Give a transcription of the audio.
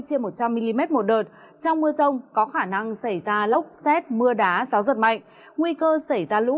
trên một trăm linh mm một đợt trong mưa rông có khả năng xảy ra lốc xét mưa đá gió giật mạnh nguy cơ xảy ra lũ